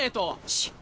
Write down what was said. しっ！